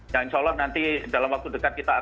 yang insya allah nanti dalam waktu dekat kita akan